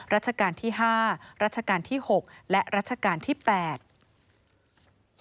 ราชการที่๕รัชกาลที่๖และรัชกาลที่๘